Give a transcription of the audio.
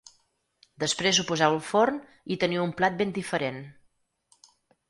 Després ho poseu al forn i teniu un plat ben diferent.